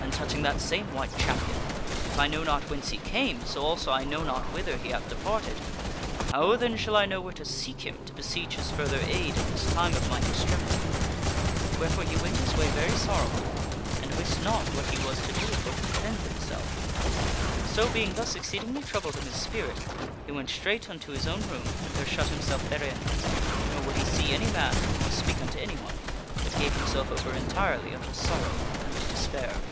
And, touching that same White Champion ; if I know not whence he came, so also I know not u6 THE WINNING OF A QUEEN whither he hath departed ; how then shall I know where to seek him to beseech his further aid in this time of mine extremity ?" Wherefore he went his way, very sorrowful, and wist not what he was to do for to de fend himself. So being thus exceedingly troubled in his spirit, he went straight unto his own room, and there shut himself therein ; nor would he see any man nor speak unto anyone, but gave himself over entirely unto sorrow and despair.